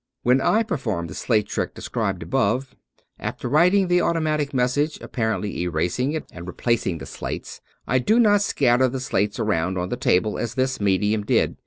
When I perform the slate trick described above, after writing the "automatic" message, apparently erasing it, and replacing the slates, I do not scatter the slates around on the table as this medium did.